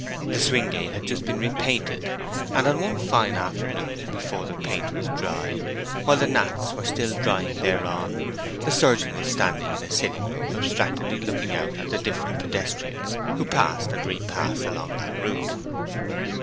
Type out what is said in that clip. The swing gate had just been repainted, and on one fine afternoon, before the paint was dry, and while gnats were still dying thereon, the surgeon was standing in his sitting room abstractedly looking out at the different pedestrians who passed and repassed along that route.